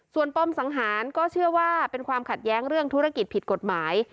ส่วนปมสังหารก็เชื่อว่าเป็นความขัดแย้งเรื่องธุรกิจผิดกฎหมาย